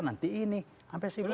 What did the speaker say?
nanti ini sampai siapa